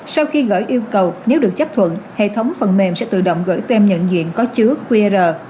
sau khi gửi yêu cầu nếu được chấp thuận hệ thống phần mềm sẽ tự động gửi tem nhận diện có chứa qr